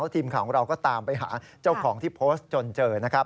ทีมข่าวของเราก็ตามไปหาเจ้าของที่โพสต์จนเจอนะครับ